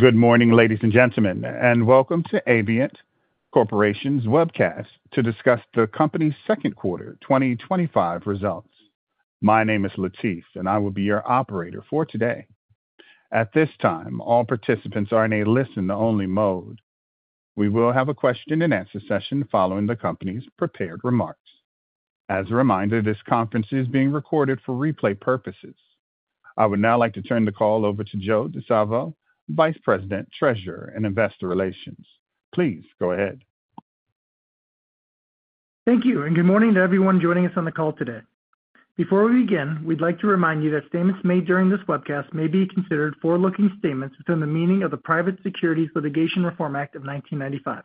Good morning, ladies and gentlemen, and welcome to Avient Corporation's webcast to discuss the company's second quarter 2025 results. My name is Latif, and I will be your operator for today. At this time, all participants are in a listen-only mode. We will have a question-and-answer session following the company's prepared remarks. As a reminder, this conference is being recorded for replay purposes. I would now like to turn the call over to Joe Di Salvo, Vice President, Treasurer, and Investor Relations. Please go ahead. Thank you, and good morning to everyone joining us on the call today. Before we begin, we'd like to remind you that statements made during this webcast may be considered forward-looking statements within the meaning of the Private Securities Litigation Reform Act of 1995.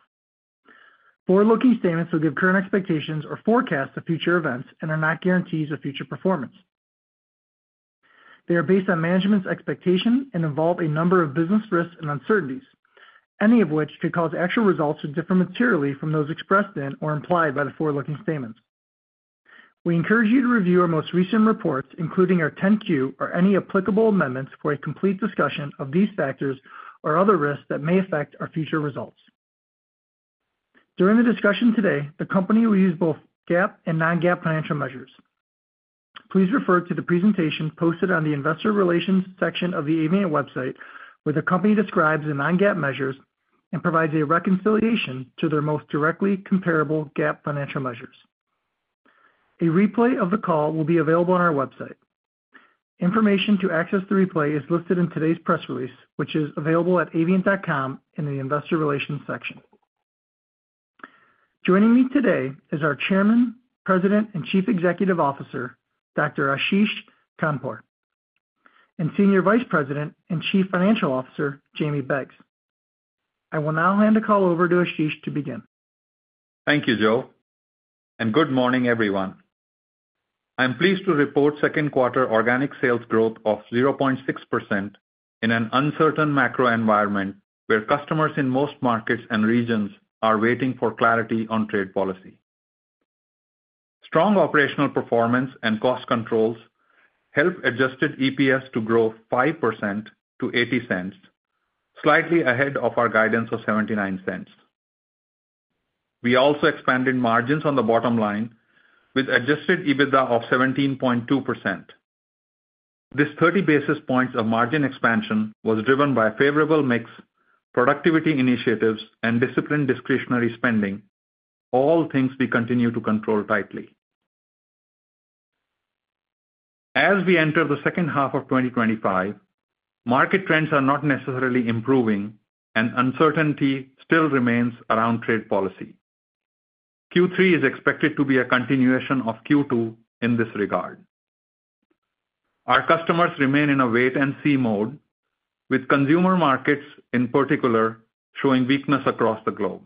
Forward-looking statements will give current expectations or forecasts of future events and are not guarantees of future performance. They are based on management's expectation and involve a number of business risks and uncertainties, any of which could cause actual results to differ materially from those expressed in or implied by the forward-looking statements. We encourage you to review our most recent reports, including our 10-Q or any applicable amendments for a complete discussion of these factors or other risks that may affect our future results. During the discussion today, the company will use both GAAP and non-GAAP financial measures. Please refer to the presentation posted on the Investor Relations section of the Avient website, where the company describes the non-GAAP measures and provides a reconciliation to their most directly comparable GAAP financial measures. A replay of the call will be available on our website. Information to access the replay is listed in today's press release, which is available at avient.com in the Investor Relations section. Joining me today is our Chairman, President, and Chief Executive Officer, Dr. Ashish Khandpur, and Senior Vice President and Chief Financial Officer, Jamie Beggs. I will now hand the call over to Ashish to begin. Thank you, Joe, and good morning, everyone. I'm pleased to report second quarter organic sales growth of 0.6% in an uncertain macro environment where customers in most markets and regions are waiting for clarity on trade policy. Strong operational performance and cost controls helped adjusted EPS to grow 5% to $0.80, slightly ahead of our guidance of $0.79. We also expanded margins on the bottom line with adjusted EBITDA of 17.2%. This 30 basis points of margin expansion was driven by a favorable mix, productivity initiatives, and disciplined discretionary spending, all things we continue to control tightly. As we enter the second half of 2025, market trends are not necessarily improving, and uncertainty still remains around trade policy. Q3 is expected to be a continuation of Q2 in this regard. Our customers remain in a wait-and-see mode, with consumer markets in particular showing weakness across the globe.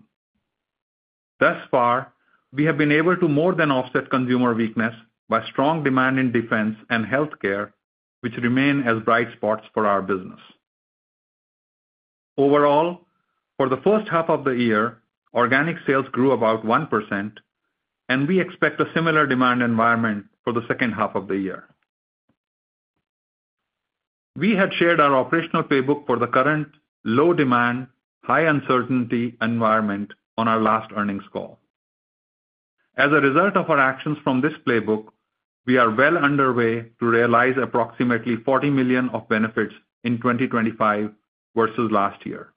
Thus far, we have been able to more than offset consumer weakness by strong demand in defense and healthcare, which remain as bright spots for our business. Overall, for the first half of the year, organic sales grew about 1%, and we expect a similar demand environment for the second half of the year. We had shared our operational playbook for the current low demand, high uncertainty environment on our last earnings call. As a result of our actions from this playbook, we are well underway to realize approximately $40 million of benefits in 2025 versus last year.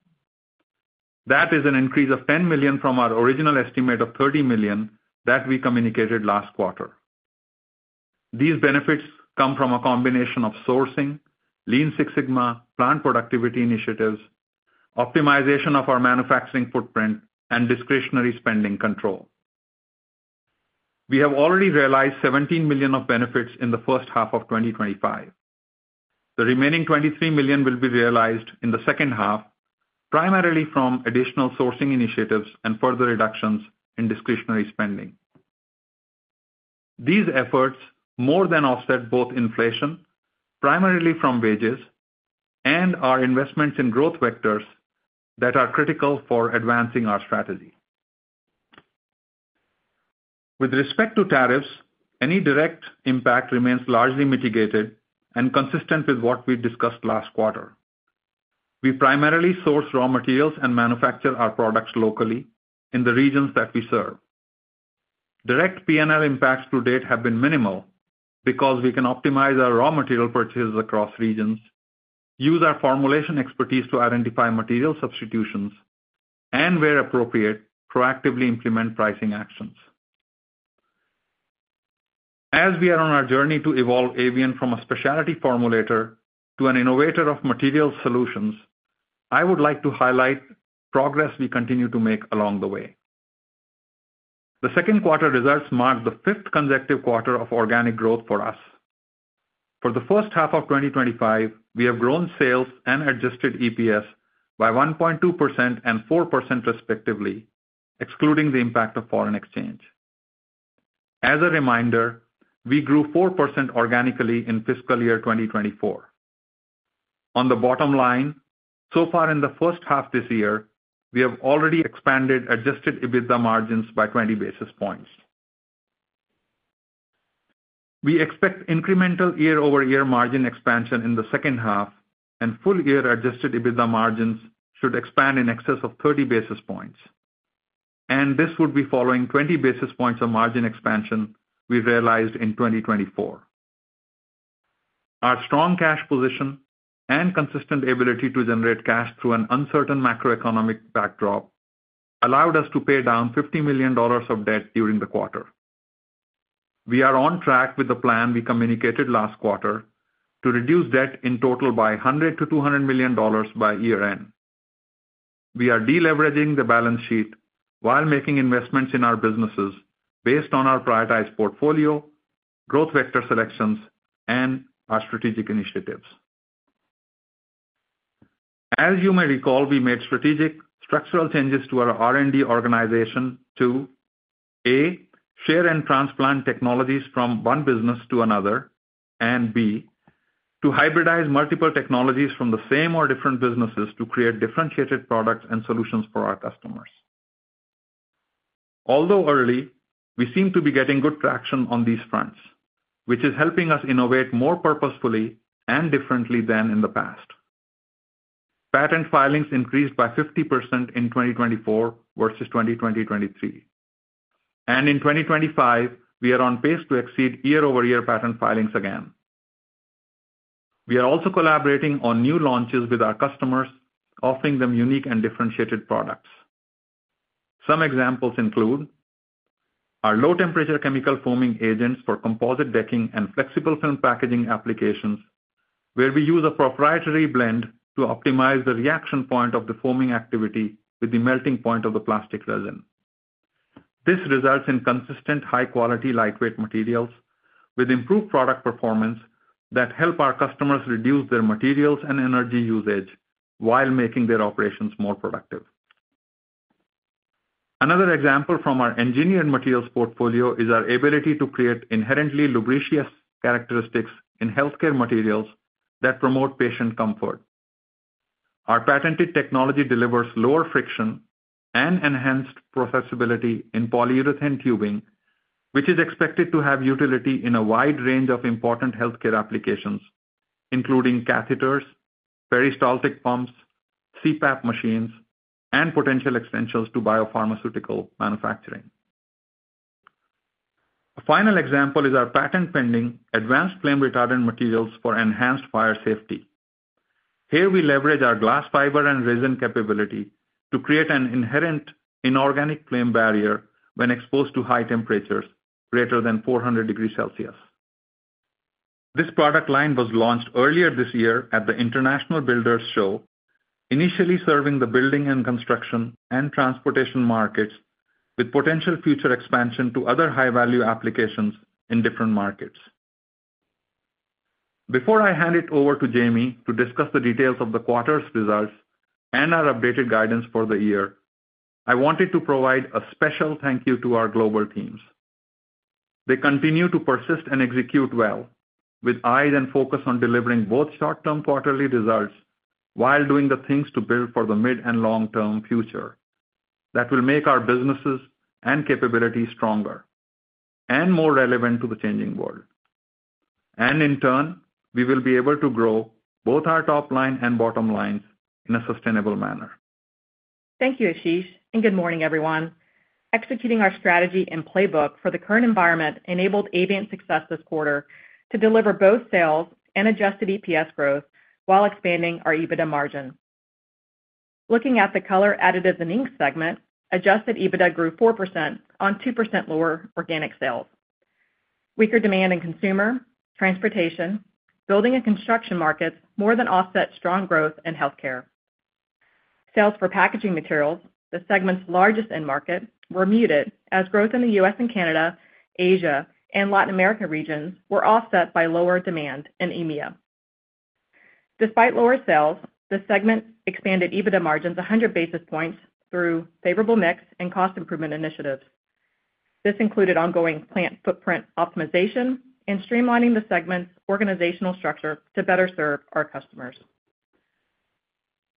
That is an increase of $10 million from our original estimate of $30 million that we communicated last quarter. These benefits come from a combination of sourcing, Lean Six Sigma, plant productivity initiatives, optimization of our manufacturing footprint, and discretionary spending control. We have already realized $17 million of benefits in the first half of 2025. The remaining $23 million will be realized in the second half, primarily from additional sourcing initiatives and further reductions in discretionary spending. These efforts more than offset both inflation, primarily from wages, and our investments in growth vectors that are critical for advancing our strategy. With respect to tariffs, any direct impact remains largely mitigated and consistent with what we discussed last quarter. We primarily source raw materials and manufacture our products locally in the regions that we serve. Direct P&L impacts to date have been minimal because we can optimize our raw material purchases across regions, use our formulation expertise to identify material substitutions, and, where appropriate, proactively implement pricing actions. As we are on our journey to evolve Avient from a specialty formulator to an innovator of material solutions, I would like to highlight the progress we continue to make along the way. The second quarter results mark the fifth consecutive quarter of organic growth for us. For the first half of 2025, we have grown sales and adjusted EPS by 1.2% and 4% respectively, excluding the impact of foreign exchange. As a reminder, we grew 4% organically in fiscal year 2024. On the bottom line, so far in the first half this year, we have already expanded adjusted EBITDA margins by 20 basis points. We expect incremental year-over-year margin expansion in the second half, and full-year adjusted EBITDA margins should expand in excess of 30 basis points. This would be following 20 basis points of margin expansion we realized in 2024. Our strong cash position and consistent ability to generate cash through an uncertain macroeconomic backdrop allowed us to pay down $50 million of debt during the quarter. We are on track with the plan we communicated last quarter to reduce debt in total by $100 million-$200 million by year-end. We are deleveraging the balance sheet while making investments in our businesses based on our prioritized portfolio, growth vector selections, and our strategic initiatives. As you may recall, we made strategic structural changes to our R&D organization to: A, share and transplant technologies from one business to another, and B, to hybridize multiple technologies from the same or different businesses to create differentiated products and solutions for our customers. Although early, we seem to be getting good traction on these fronts, which is helping us innovate more purposefully and differently than in the past. Patent filings increased by 50% in 2024 versus 2023. In 2025, we are on pace to exceed year-over-year patent filings again. We are also collaborating on new launches with our customers, offering them unique and differentiated products. Some examples include our low-temperature chemical foaming agents for composite decking and flexible film packaging applications, where we use a proprietary blend to optimize the reaction point of the foaming activity with the melting point of the plastic resin. This results in consistent, high-quality, lightweight materials with improved product performance that help our customers reduce their materials and energy usage while making their operations more productive. Another example from our engineered materials portfolio is our ability to create inherently lubricious characteristics in healthcare materials that promote patient comfort. Our patented technology delivers lower friction and enhanced processibility in polyurethane tubing, which is expected to have utility in a wide range of important healthcare applications, including catheters, peristaltic pumps, CPAP machines, and potential extensions to biopharmaceutical manufacturing. A final example is our patent-pending advanced flame-retardant materials for enhanced fire safety. Here, we leverage our glass fiber and resin capability to create an inherent inorganic flame barrier when exposed to high temperatures greater than 400 degrees Celsius. This product line was launched earlier this year at the International Builders' Show, initially serving the building and construction and transportation markets with potential future expansion to other high-value applications in different markets. Before I hand it over to Jamie to discuss the details of the quarter's results and our updated guidance for the year, I wanted to provide a special thank you to our global teams. They continue to persist and execute well, with eyes and focus on delivering both short-term quarterly results while doing the things to build for the mid and long-term future that will make our businesses and capabilities stronger and more relevant to the changing world. In turn, we will be able to grow both our top line and bottom lines in a sustainable manner. Thank you, Ashish, and good morning, everyone. Executing our strategy and playbook for the current environment enabled Avient's success this quarter to deliver both sales and adjusted EPS growth while expanding our EBITDA margin. Looking at the Color Additives and Inks segment, adjusted EBITDA grew 4% on 2% lower organic sales. Weaker demand in consumer, transportation, building, and construction markets more than offset strong growth in healthcare. Sales for packaging materials, the segment's largest end market, were muted as growth in the U.S. and Canada, Asia, and Latin America regions were offset by lower demand in EMEA. Despite lower sales, the segment expanded EBITDA margins 100 basis points through favorable mix and cost improvement initiatives. This included ongoing manufacturing footprint optimization and streamlining the segment's organizational structure to better serve our customers.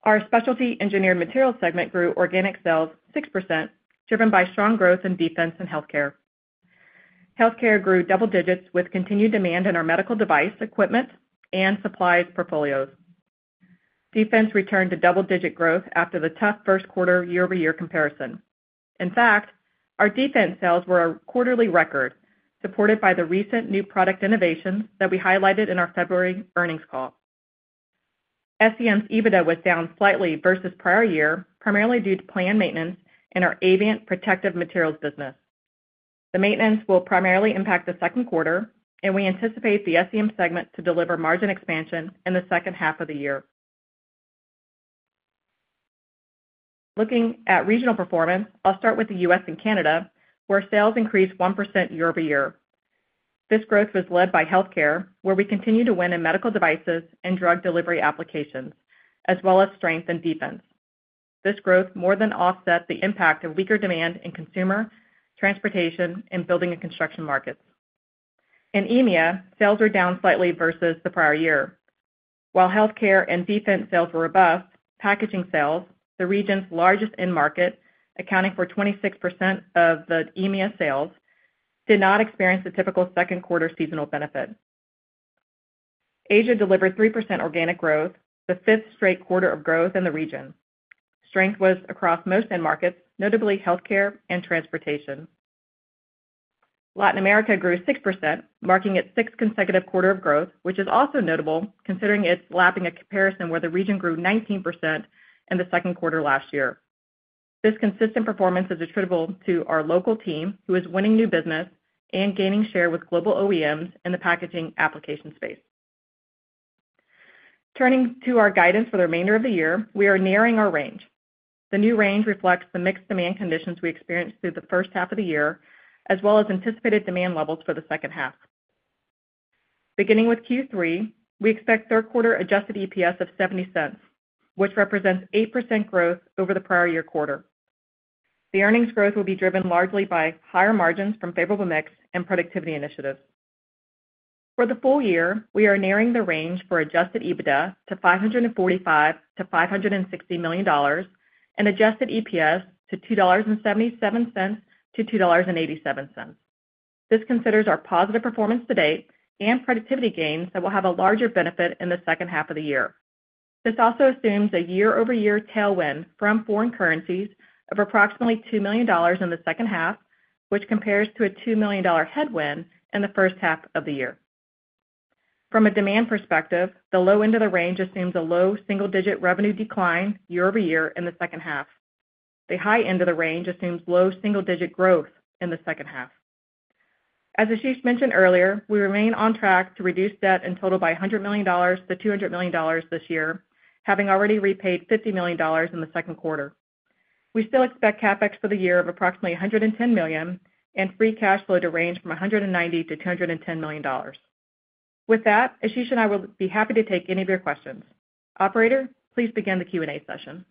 Our Specialty Engineered Materials segment grew organic sales 6%, driven by strong growth in defense and healthcare. Healthcare grew double digits with continued demand in our medical device equipment and supplies portfolios. Defense returned to double-digit growth after the tough first quarter year-over-year comparison. In fact, our defense sales were a quarterly record supported by the recent new product innovations that we highlighted in our February earnings call. SEM's EBITDA was down slightly versus prior year, primarily due to planned maintenance in our Avient Protective Materials business. The maintenance will primarily impact the second quarter, and we anticipate the SEM segment to deliver margin expansion in the second half of the year. Looking at regional performance, I'll start with the U.S. and Canada, where sales increased 1% year-over-year. This growth was led by healthcare, where we continue to win in medical devices and drug delivery applications, as well as strength in defense. This growth more than offset the impact of weaker demand in consumer, transportation, and building and construction markets. In EMEA, sales were down slightly versus the prior year. While healthcare and defense sales were robust, packaging sales, the region's largest end market, accounting for 26% of the EMEA sales, did not experience the typical second quarter seasonal benefit. Asia delivered 3% organic growth, the fifth straight quarter of growth in the region. Strength was across most end markets, notably healthcare and transportation. Latin America grew 6%, marking its sixth consecutive quarter of growth, which is also notable considering it's lapping a comparison where the region grew 19% in the second quarter last year. This consistent performance is attributable to our local team, who is winning new business and gaining share with global OEMs in the packaging application space. Turning to our guidance for the remainder of the year, we are nearing our range. The new range reflects the mixed demand conditions we experienced through the first half of the year, as well as anticipated demand levels for the second half. Beginning with Q3, we expect third quarter adjusted EPS of $0.70, which represents 8% growth over the prior year quarter. The earnings growth will be driven largely by higher margins from favorable mix and productivity initiatives. For the full year, we are nearing the range for adjusted EBITDA to $545 million-$560 million and adjusted EPS to $2.77-$2.87. This considers our positive performance to date and productivity gains that will have a larger benefit in the second half of the year. This also assumes a year-over-year tailwind from foreign currencies of approximately $2 million in the second half, which compares to a $2 million headwind in the first half of the year. From a demand perspective, the low end of the range assumes a low single-digit revenue decline year-over-year in the second half. The high end of the range assumes low single-digit growth in the second half. As Ashish mentioned earlier, we remain on track to reduce debt in total by $100 million-$200 million this year, having already repaid $50 million in the second quarter. We still expect CapEx for the year of approximately $110 million and free cash flow to range from $190 million-$210 million. With that, Ashish and I will be happy to take any of your questions. Operator, please begin the Q&A session.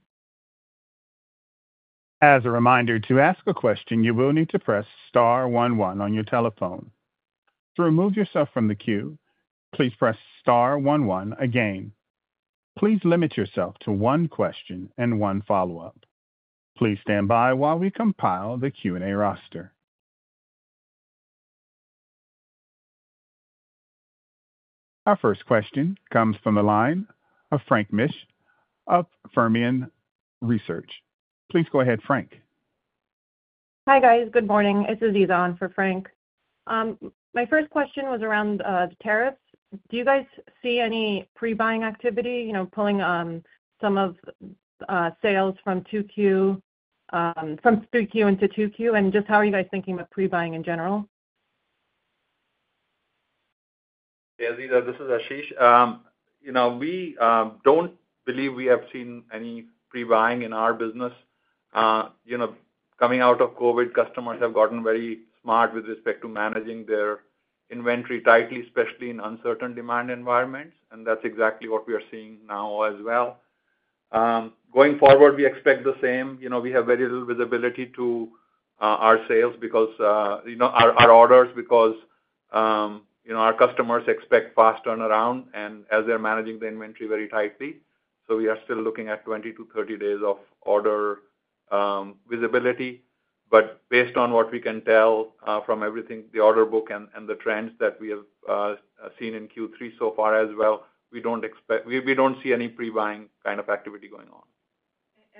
As a reminder, to ask a question, you will need to press star one one on your telephone. To remove yourself from the queue, please press star one one again. Please limit yourself to one question and one follow-up. Please stand by while we compile the Q&A roster. Our first question comes from the line of Frank Mitsch of Fermium Research. Please go ahead, Frank. Hi, guys. Good morning. This is Aziza on for Frank. My first question was around the tariffs. Do you guys see any pre-buying activity, you know, pulling some of the sales from 2Q into 2Q? How are you guys thinking about pre-buying in general? Yes, Aziza. This is Ashish. We don't believe we have seen any pre-buying in our business. Coming out of COVID, customers have gotten very smart with respect to managing their inventory tightly, especially in uncertain demand environments. That's exactly what we are seeing now as well. Going forward, we expect the same. We have very little visibility to our orders because our customers expect fast turnaround as they're managing the inventory very tightly. We are still looking at 20-30 days of order visibility. Based on what we can tell from everything, the order book and the trends that we have seen in Q3 so far as well, we don't expect, we don't see any pre-buying kind of activity going on.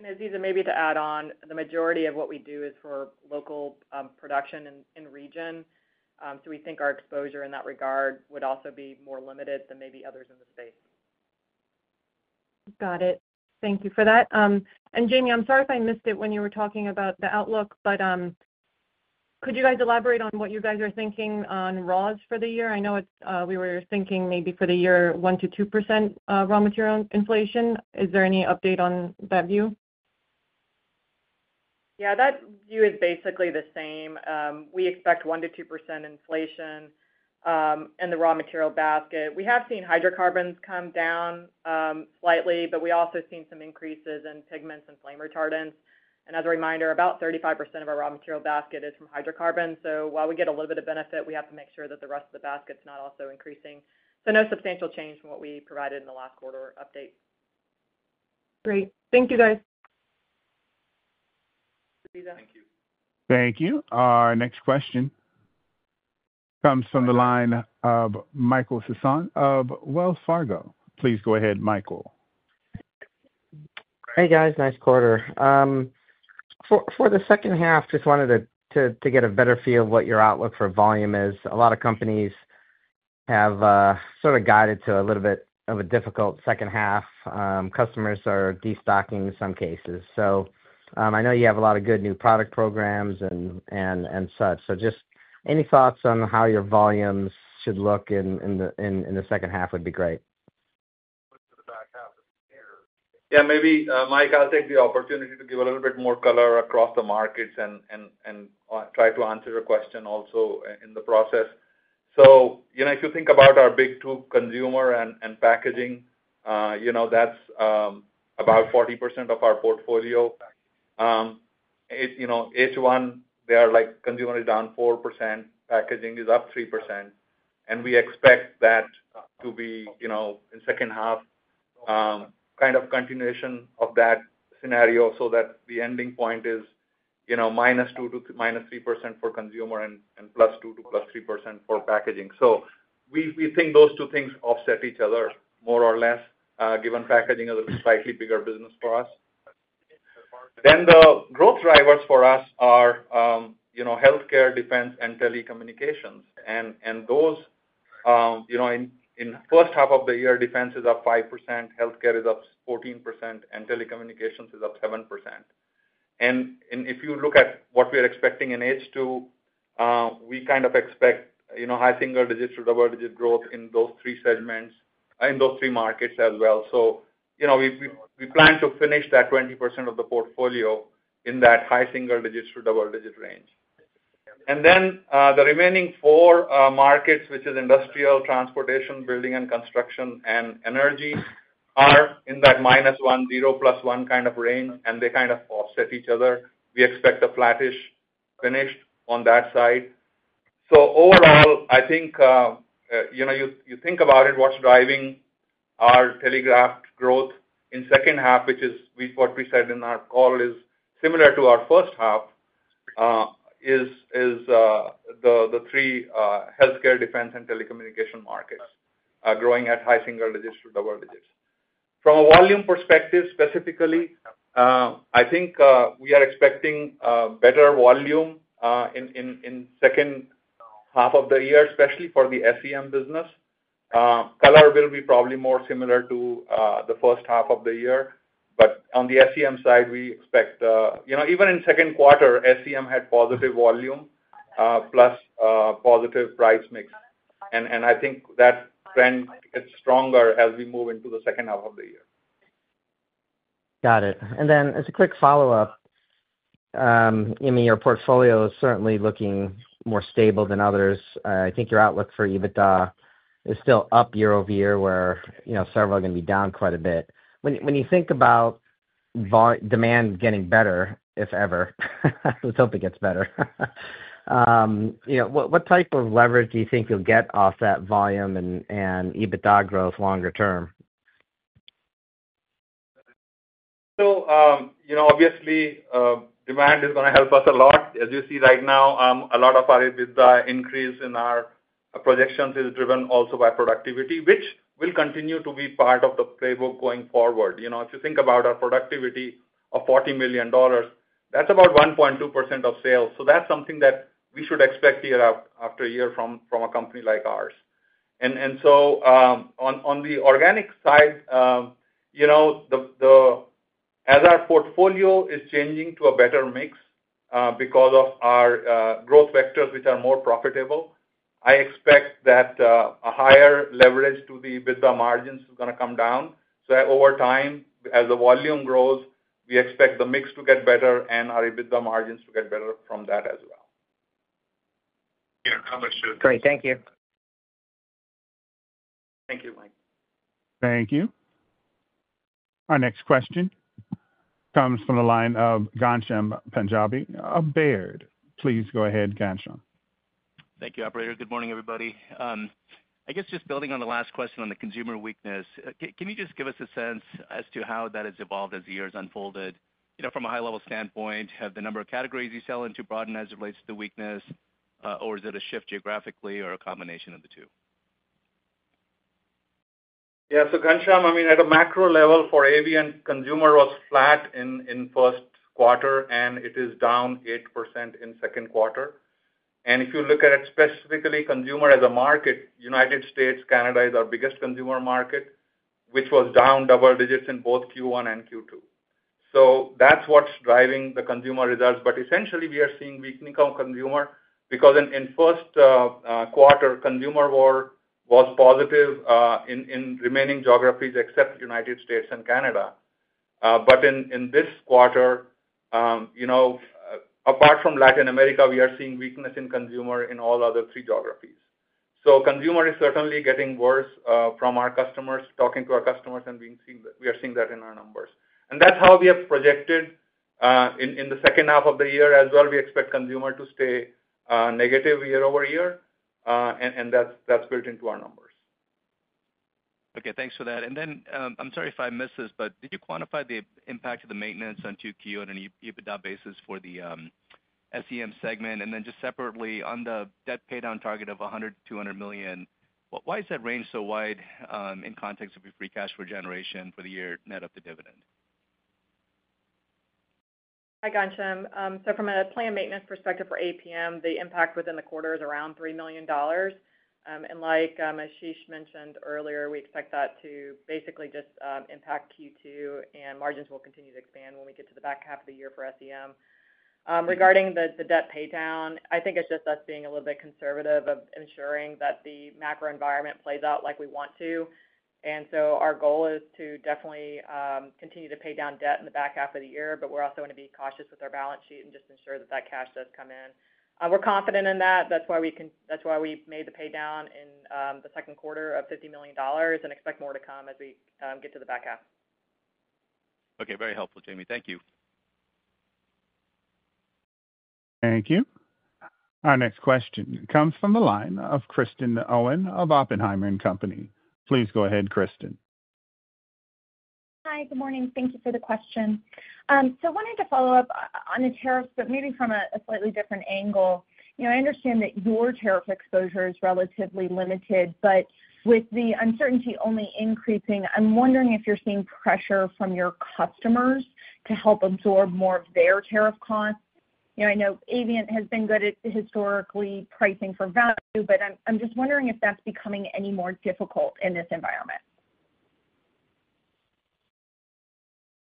Aziza, maybe to add on, the majority of what we do is for local production in region. We think our exposure in that regard would also be more limited than maybe others in the space. Got it. Thank you for that. Jamie, I'm sorry if I missed it when you were talking about the outlook, but could you guys elaborate on what you guys are thinking on ROAS for the year? I know we were thinking maybe for the year 1%-2% raw material inflation. Is there any update on that view? Yeah, that view is basically the same. We expect 1%-2% inflation in the raw material basket. We have seen hydrocarbons come down slightly, but we also see some increases in pigments and flame retardants. As a reminder, about 35% of our raw material basket is from hydrocarbons. While we get a little bit of benefit, we have to make sure that the rest of the basket is not also increasing. No substantial change from what we provided in the last quarter update. Great. Thank you, guys. Thanks, Aziza. Thank you. Thank you. Our next question comes from the line of Michael Sison of Wells Fargo. Please go ahead, Michael. Hey, guys. Nice quarter. For the second half, just wanted to get a better feel of what your outlook for volume is. A lot of companies have guided to a little bit of a difficult second half. Customers are destocking in some cases. I know you have a lot of good new product programs and such. Any thoughts on how your volumes should look in the second half would be great. Yeah, maybe Mike, I'll take the opportunity to give a little bit more color across the markets and try to answer your question also in the process. If you think about our big two, consumer and packaging, that's about 40% of our portfolio. H1, they are like consumer is down 4%, packaging is up 3%. We expect that to be, in the second half, kind of continuation of that scenario so that the ending point is -2% to -3% for consumer and +2% to +3% for packaging. We think those two things offset each other more or less, given packaging is a slightly bigger business for us. The growth drivers for us are healthcare, defense, and telecommunications. In the first half of the year, defense is up 5%, healthcare is up 14%, and telecommunications is up 7%. If you look at what we are expecting in H2, we kind of expect high single-digit to double-digit growth in those three segments, in those three markets as well. We plan to finish that 20% of the portfolio in that high single-digit to double-digit range. The remaining four markets, which are industrial, transportation, building and construction, and energy, are in that -1, zero, +1 kind of range, and they kind of offset each other. We expect a flattish finish on that side. Overall, I think, if you think about it, what's driving our telegraphed growth in the second half, which is what we said in our call is similar to our first half, is the three healthcare, defense, and telecommunication markets growing at high single-digits to double-digits. From a volume perspective specifically, I think we are expecting better volume in the second half of the year, especially for the SEM business. Color will be probably more similar to the first half of the year. On the SEM side, we expect, even in the second quarter, SEM had positive volume plus positive price mix. I think that trend gets stronger as we move into the second half of the year. Got it. As a quick follow-up, Jamie, your portfolio is certainly looking more stable than others. I think your outlook for EBITDA is still up year-over-year, where several are going to be down quite a bit. When you think about demand getting better, if ever, let's hope it gets better. What type of leverage do you think you'll get off that volume and EBITDA growth longer term? Obviously, demand is going to help us a lot. As you see right now, a lot of our EBITDA increase in our projections is driven also by productivity, which will continue to be part of the playbook going forward. If you think about our productivity of $40 million, that's about 1.2% of sales. That's something that we should expect year after year from a company like ours. On the organic side, as our portfolio is changing to a better mix because of our growth vectors, which are more profitable, I expect that a higher leverage to the EBITDA margins is going to come down. Over time, as the volume grows, we expect the mix to get better and our EBITDA margins to get better from that as well. Great, thank you. Thank you, Mike. Thank you. Our next question comes from the line of Ghansham Punjabi at Baird. Please go ahead, Ghansham. Thank you, operator. Good morning, everybody. Just building on the last question on the consumer weakness, can you give us a sense as to how that has evolved as the year has unfolded? From a high-level standpoint, have the number of categories you sell into broadened as it relates to the weakness, or is it a shift geographically or a combination of the two? Yeah. Gansham, at a macro level for Avient, consumer was flat in the first quarter, and it is down 8% in the second quarter. If you look at it specifically, consumer as a market, the United States, Canada is our biggest consumer market, which was down double digits in both Q1 and Q2. That's what's driving the consumer results. Essentially, we are seeing weakening consumer because in the first quarter, consumer was positive in remaining geographies except the United States and Canada. In this quarter, apart from Latin America, we are seeing weakness in consumer in all other three geographies. Consumer is certainly getting worse from our customers, talking to our customers, and we are seeing that in our numbers. That's how we have projected in the second half of the year as well. We expect consumer to stay negative year-over-year, and that's built into our numbers. Okay. Thanks for that. I'm sorry if I missed this, but did you quantify the impact of the maintenance on 2Q on an EBITDA basis for the SEM segment? Just separately, on the debt paid on target of $100 million-$200 million, why is that range so wide in context of your free cash flow generation for the year net of the dividend? Hi, Ghansham. From a planned maintenance perspective for APM, the impact within the quarter is around $3 million. Like Ashish mentioned earlier, we expect that to basically just impact Q2, and margins will continue to expand when we get to the back half of the year for SEM. Regarding the debt pay down, I think it's just us being a little bit conservative of ensuring that the macro environment plays out like we want to. Our goal is to definitely continue to pay down debt in the back half of the year, but we're also going to be cautious with our balance sheet and just ensure that that cash does come in. We're confident in that. That's why we made the pay down in the second quarter of $50 million and expect more to come as we get to the back half. Okay. Very helpful, Jamie. Thank you. Thank you. Our next question comes from the line of Kristen Owen of Oppenheimer & Company. Please go ahead, Kristen. Hi. Good morning. Thank you for the question. I wanted to follow up on the tariffs, but maybe from a slightly different angle. I understand that your tariff exposure is relatively limited, but with the uncertainty only increasing, I'm wondering if you're seeing pressure from your customers to help absorb more of their tariff costs. I know Avient has been good at historically pricing for value, but I'm just wondering if that's becoming any more difficult in this environment.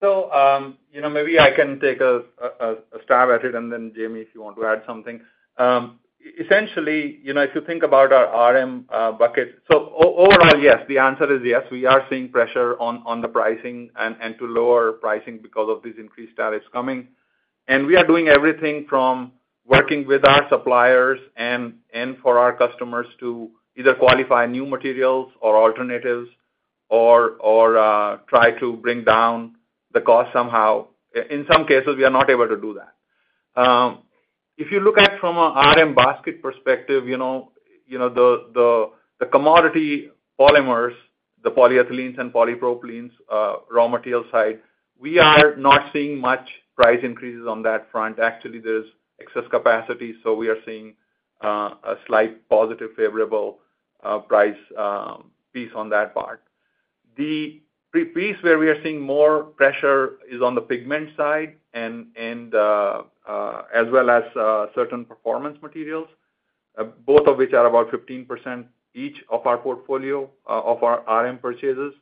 Maybe I can take a stab at it, and then Jamie, if you want to add something. Essentially, if you think about our RM buckets, overall, yes, the answer is yes, we are seeing pressure on the pricing and to lower pricing because of these increased tariffs coming. We are doing everything from working with our suppliers and for our customers to either qualify new materials or alternatives or try to bring down the cost somehow. In some cases, we are not able to do that. If you look at it from an RM basket perspective, the commodity polymers, the polyethylenes and polypropylenes raw material side, we are not seeing much price increases on that front. Actually, there's excess capacity. We are seeing a slight positive favorable price piece on that part. The piece where we are seeing more pressure is on the pigment side and as well as certain performance materials, both of which are about 15% each of our portfolio of our RM purchases.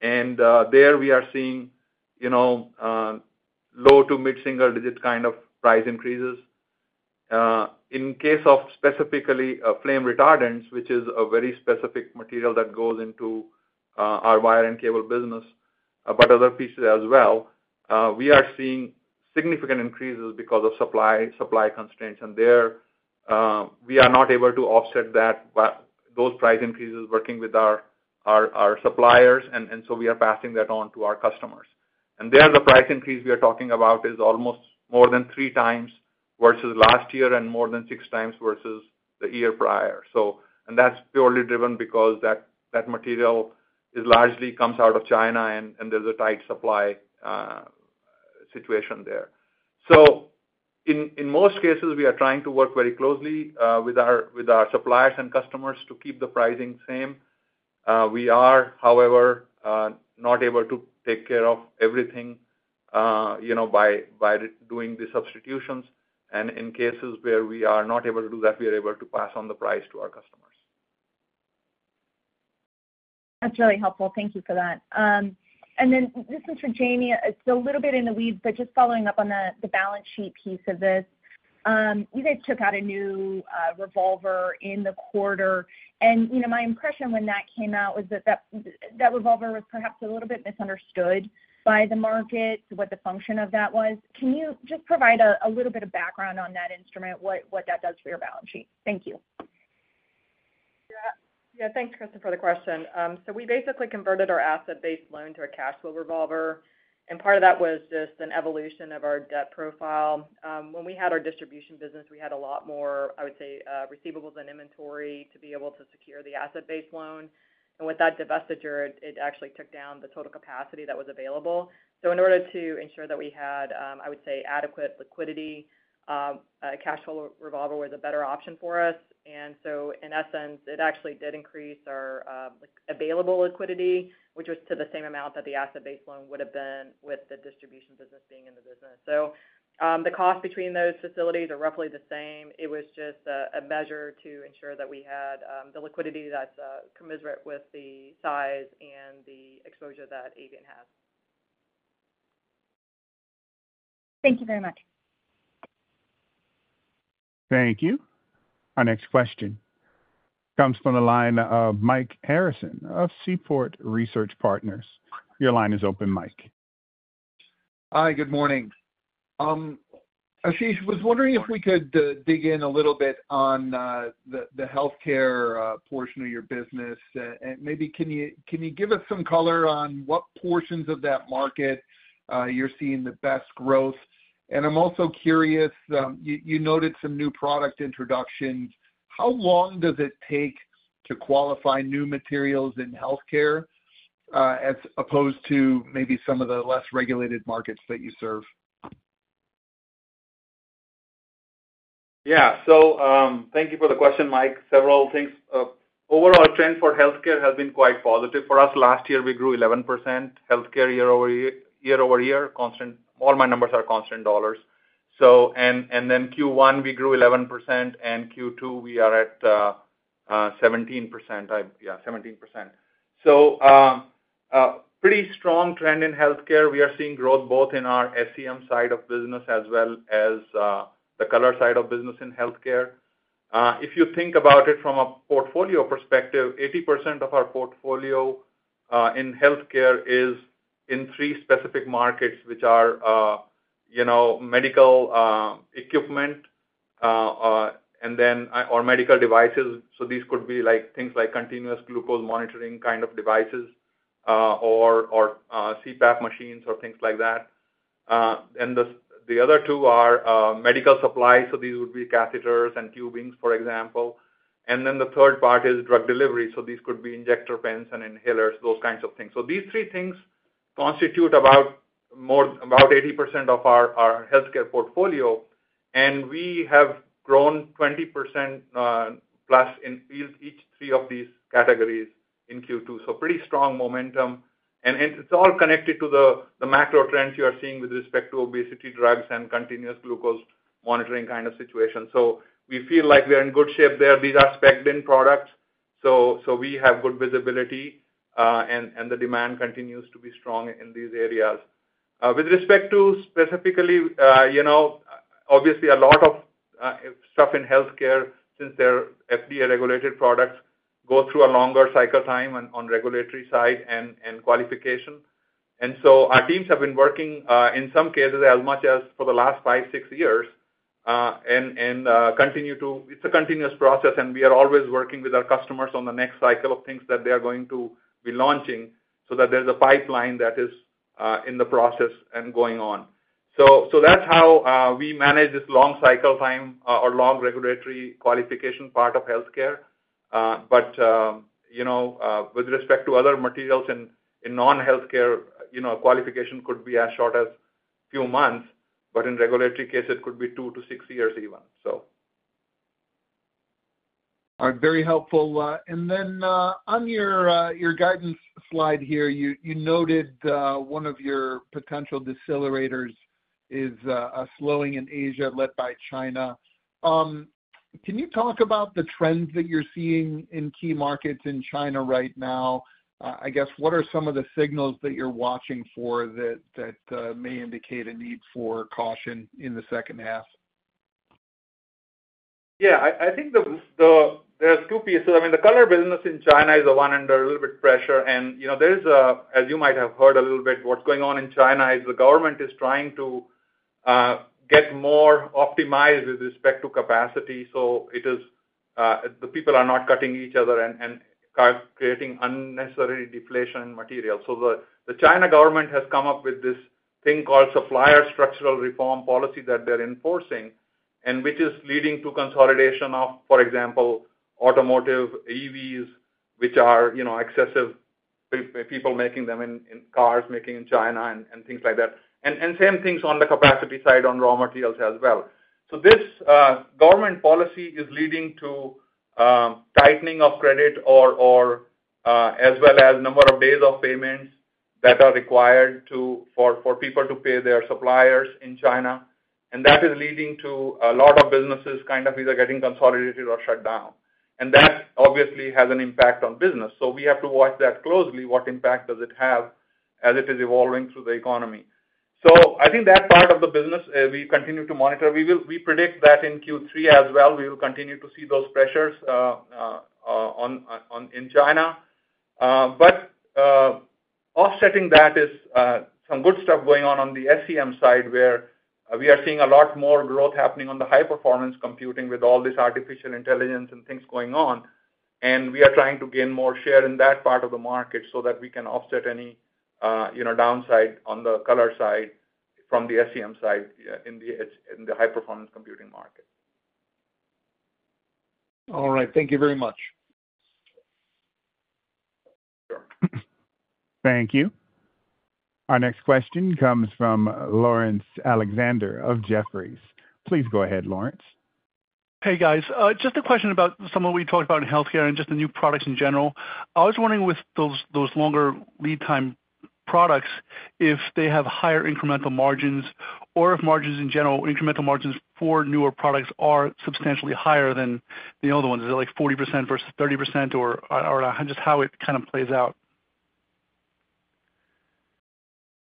There we are seeing low to mid-single-digit kind of price increases. In case of specifically flame retardants, which is a very specific material that goes into our wire and cable business, but other pieces as well, we are seeing significant increases because of supply constraints. There, we are not able to offset those price increases working with our suppliers. We are passing that on to our customers. The price increase we are talking about is almost more than 3x versus last year and more than 6x versus the year prior. That is purely driven because that material largely comes out of China, and there's a tight supply situation there. In most cases, we are trying to work very closely with our suppliers and customers to keep the pricing same. We are, however, not able to take care of everything by doing the substitutions. In cases where we are not able to do that, we are able to pass on the price to our customers. That's really helpful. Thank you for that. This one's for Jamie. It's a little bit in the weeds, but just following up on the balance sheet piece of this. You guys took out a new revolver in the quarter. My impression when that came out was that the revolver was perhaps a little bit misunderstood by the market, what the function of that was. Can you just provide a little bit of background on that instrument, what that does for your balance sheet? Thank you. Yeah. Thanks, Kristen, for the question. We basically converted our asset-based loan to a cash flow revolver. Part of that was just an evolution of our debt profile. When we had our distribution business, we had a lot more, I would say, receivables and inventory to be able to secure the asset-based loan. With that divestiture, it actually took down the total capacity that was available. In order to ensure that we had, I would say, adequate liquidity, a cash flow revolver was a better option for us. In essence, it actually did increase our available liquidity, which was to the same amount that the asset-based loan would have been with the distribution business being in the business. The cost between those facilities are roughly the same. It was just a measure to ensure that we had the liquidity that's commensurate with the size and the exposure that Avient has. Thank you very much. Thank you. Our next question comes from the line of Mike Harrison of Seaport Research Partners. Your line is open, Mike. Hi. Good morning. Ashish, I was wondering if we could dig in a little bit on the healthcare portion of your business. Maybe can you give us some color on what portions of that market you're seeing the best growth? I'm also curious, you noted some new product introductions. How long does it take to qualify new materials in healthcare as opposed to maybe some of the less regulated markets that you serve? Thank you for the question, Mike. Several things. Overall, trends for healthcare have been quite positive for us. Last year, we grew 11% healthcare year-over-year. All my numbers are constant dollars. In Q1, we grew 11%, and Q2, we are at 17%. Yeah, 17%. A pretty strong trend in healthcare. We are seeing growth both in our SEM side of business as well as the Color side of business in healthcare. If you think about it from a portfolio perspective, 80% of our portfolio in healthcare is in three specific markets, which are medical equipment or medical devices. These could be things like continuous glucose monitoring devices or CPAP machines or things like that. The other two are medical supplies, such as catheters and tubings, for example. The third part is drug delivery, which could be injector pens and inhalers, those kinds of things. These three things constitute about 80% of our healthcare portfolio. We have grown 20%+ in each of these three categories in Q2. Pretty strong momentum. It's all connected to the macro trends you are seeing with respect to obesity drugs and continuous glucose monitoring situations. We feel like we are in good shape there. These are spec'd-in products, so we have good visibility, and the demand continues to be strong in these areas. With respect to healthcare, a lot of products, since they're FDA-regulated, go through a longer cycle time on the regulatory side and qualification. Our teams have been working in some cases as much as for the last five or six years and continue to. It's a continuous process. We are always working with our customers on the next cycle of things that they are going to be launching so that there's a pipeline that is in the process and going on. That's how we manage this long cycle time or long regulatory qualification part of healthcare. With respect to other materials in non-healthcare, qualification could be as short as a few months, but in regulatory cases, it could be two to six years even. All right. Very helpful. On your guidance slide here, you noted one of your potential decelerators is a slowing in Asia led by China. Can you talk about the trends that you're seeing in key markets in China right now? I guess what are some of the signals that you're watching for that may indicate a need for caution in the second half? Yeah. I think there's two pieces. I mean, the Color business in China is the one under a little bit of pressure. You know, as you might have heard a little bit, what's going on in China is the government is trying to get more optimized with respect to capacity. It is that people are not cutting each other and creating unnecessary deflation in material. The China government has come up with this thing called supplier structural reform policy that they're enforcing, which is leading to consolidation of, for example, automotive EVs, which are, you know, excessive people making them in cars, making in China and things like that. Same things on the capacity side on raw materials as well. This government policy is leading to tightening of credit as well as a number of days of payments that are required for people to pay their suppliers in China. That is leading to a lot of businesses kind of either getting consolidated or shut down. That obviously has an impact on business. We have to watch that closely. What impact does it have as it is evolving through the economy? I think that part of the business we continue to monitor. We predict that in Q3 as well, we will continue to see those pressures in China. Offsetting that is some good stuff going on on the SEM side where we are seeing a lot more growth happening on the high-performance computing with all this artificial intelligence and things going on. We are trying to gain more share in that part of the market so that we can offset any downside on the color side from the SEM side in the high-performance computing market. All right. Thank you very much. Sure. Thank you. Our next question comes from Laurence Alexander of Jefferies. Please go ahead, Laurence. Hey, guys. Just a question about some of what we talked about in healthcare and just the new products in general. I was wondering with those longer lead time products, if they have higher incremental margins or if margins in general, incremental margins for newer products are substantially higher than the older ones. Is it like 40% versus 30% or just how it kind of plays out?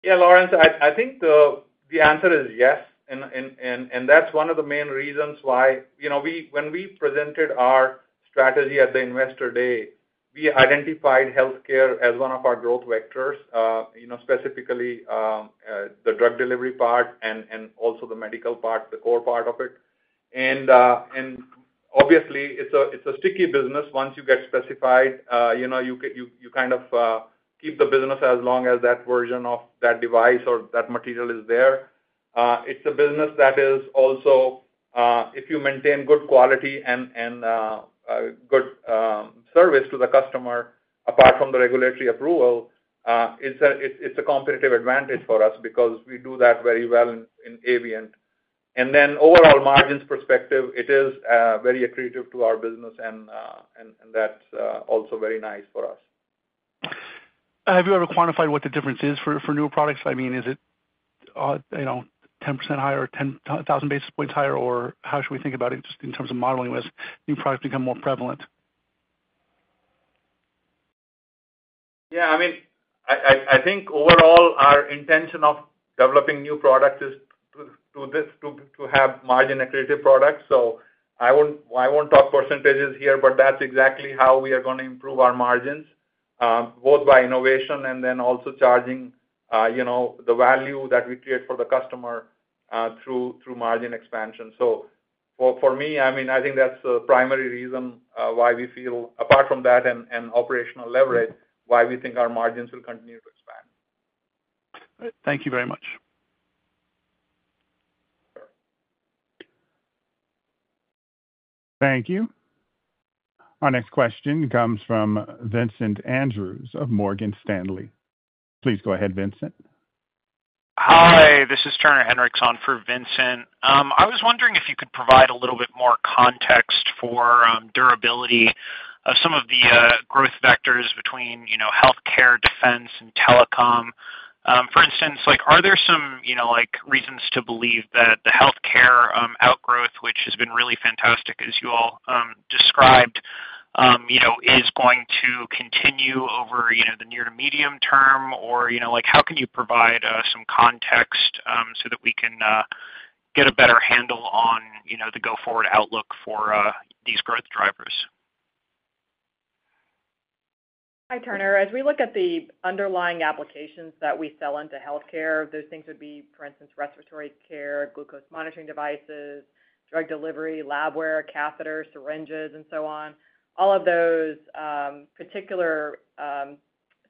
Yeah, Laurence, I think the answer is yes. That's one of the main reasons why, when we presented our strategy at the Investor Day, we identified healthcare as one of our growth vectors, specifically the drug delivery part and also the medical part, the core part of it. Obviously, it's a sticky business. Once you get specified, you kind of keep the business as long as that version of that device or that material is there. It's a business that is also, if you maintain good quality and good service to the customer, apart from the regulatory approval, a competitive advantage for us because we do that very well in Avient. From an overall margins perspective, it is very accretive to our business, and that's also very nice for us. Have you ever quantified what the difference is for newer products? I mean, is it, you know, 10% higher or 10,000 basis points higher, or how should we think about it just in terms of modeling as new products become more prevalent? I think overall our intention of developing new products is to have margin accretive products. I won't talk percentages here, but that's exactly how we are going to improve our margins, both by innovation and then also charging the value that we create for the customer through margin expansion. For me, I think that's the primary reason why we feel, apart from that and operational leverage, why we think our margins will continue to expand. Thank you very much. Sure. Thank you. Our next question comes from Vincent Andrews of Morgan Stanley. Please go ahead, Vincent. Hi. This is Turner Hinrichs on for Vincent. I was wondering if you could provide a little bit more context for durability of some of the growth vectors between, you know, healthcare, defense, and telecom. For instance, are there some reasons to believe that the healthcare outgrowth, which has been really fantastic, as you all described, is going to continue over the near to medium term? How can you provide some context so that we can get a better handle on the go-forward outlook for these growth drivers? Hi, Turner. As we look at the underlying applications that we sell into healthcare, those things would be, for instance, respiratory care, glucose monitoring devices, drug delivery, labware, catheters, syringes, and so on. All of those particular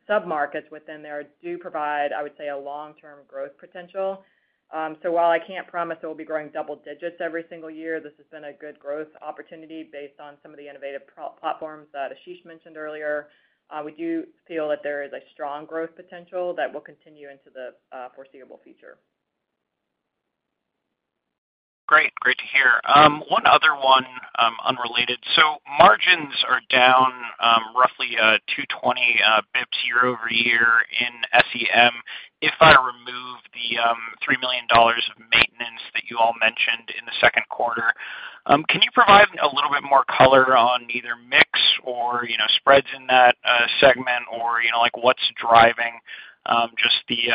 submarkets within there do provide, I would say, a long-term growth potential. While I can't promise it will be growing double digits every single year, this has been a good growth opportunity based on some of the innovative platforms that Ashish mentioned earlier. We do feel that there is a strong growth potential that will continue into the foreseeable future. Great to hear. One other one unrelated. Margins are down roughly 220 basis points year-over-year in SEM. If I remove the $3 million of maintenance that you all mentioned in the second quarter, can you provide a little bit more color on either mix or spreads in that segment, or what's driving just the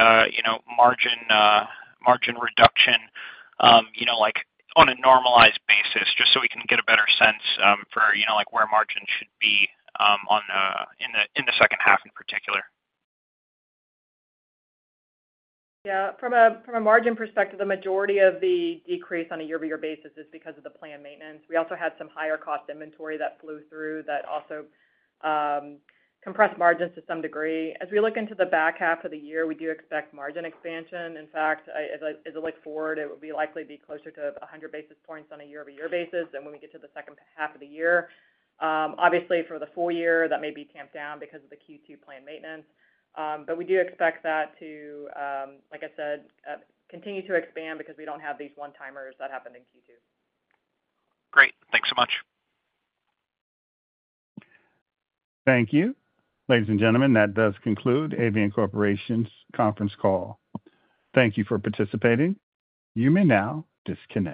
margin reduction on a normalized basis, just so we can get a better sense for where margins should be in the second half in particular? Yeah. From a margin perspective, the majority of the decrease on a year-over-year basis is because of the planned maintenance. We also had some higher cost inventory that flowed through that also compressed margins to some degree. As we look into the back half of the year, we do expect margin expansion. In fact, as I look forward, it would be likely to be closer to 100 basis points on a year-over-year basis. When we get to the second half of the year, obviously, for the full year, that may be tamped down because of the Q2 planned maintenance. We do expect that to, like I said, continue to expand because we don't have these one-timers that happened in Q2. Great, thanks so much. Thank you. Ladies and gentlemen, that does conclude Avient Corporation's conference call. Thank you for participating. You may now disconnect.